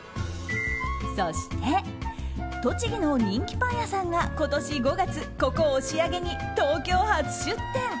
そして栃木の人気パン屋さんが今年５月ここ押上に東京初出店。